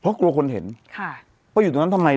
เพราะกลัวคนเห็นค่ะว่าอยู่ตรงนั้นทำไม